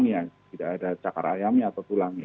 yang tidak ada tulangnya tidak ada cakar ayamnya atau tulangnya